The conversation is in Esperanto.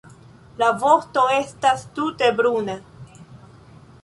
La vosto estas tute bruna.